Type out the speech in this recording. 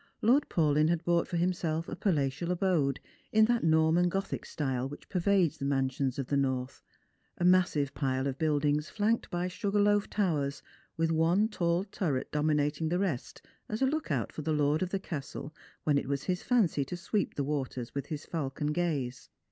Lord Paulyn had bought for himself a palatial abode, in that Norman Gothic style which pervades the mansions of the North — a massive pile of buildings flanked by sugar loaf towers, with one tall turret dominating the rest, as a look out for the lord of the castle when it was his fancy to sweep the waters with his falcon gaze.